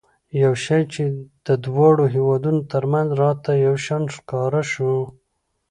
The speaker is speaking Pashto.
یو شی چې د دواړو هېوادونو ترمنځ راته یو شان ښکاره شو.